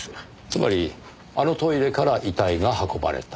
つまりあのトイレから遺体が運ばれた。